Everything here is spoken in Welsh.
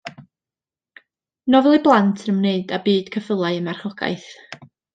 Nofel i blant yn ymwneud â byd ceffylau a marchogaeth.